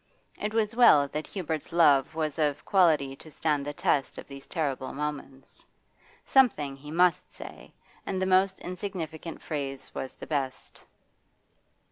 It was well that Hubert's love was of quality to stand the test of these terrible moments. Something he must say, and the most insignificant phrase was the best.